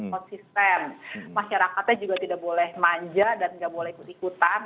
konsisten masyarakatnya juga tidak boleh manja dan nggak boleh ikut ikutan